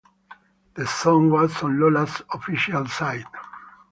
The song was on Lola's official site.